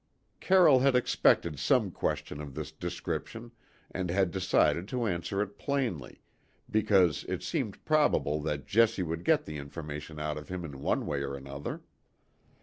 Carroll had expected some question of this description, and had decided to answer it plainly, because it seemed probable that Jessie would get the information out of him in one way or another.